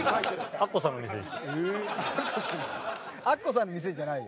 アッコさんの店じゃないよ。